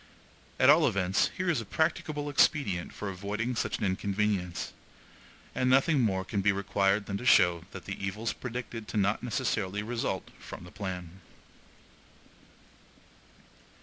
At all events, here is a practicable expedient for avoiding such an inconvenience; and nothing more can be required than to show that evils predicted to not necessarily result from the plan.